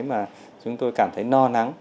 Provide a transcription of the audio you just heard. mà chúng tôi cảm thấy no nắng